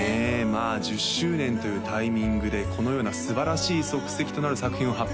まあ１０周年というタイミングでこのようなすばらしい足跡となる作品を発表